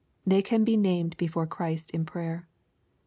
They can be named before Christ in prayer.